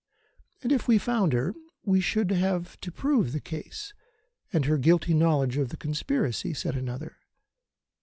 "And if we found her we should have to prove the case, and her guilty knowledge of the conspiracy," said another.